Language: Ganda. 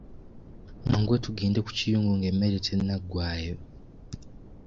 Mwanguwe tugende ku kiyungu nga emmere tennaggwayo.